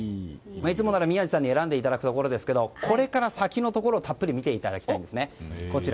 いつもなら宮司さんに選んでいただくところですがこれから先のところをたっぷり見ていただきたいんですね。